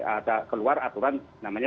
ada keluar aturan namanya